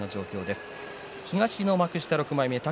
東の幕下６枚目尊